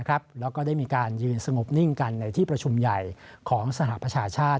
แล้วก็ได้มีการยืนสงบนิ่งกันในที่ประชุมใหญ่ของสหประชาชาติ